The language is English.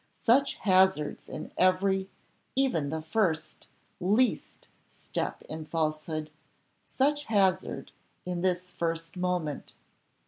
Such hazards in every, even the first, least, step in falsehood; such hazard in this first moment!